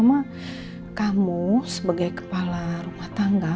maksud mama kamu sebagai kepala rumah tangga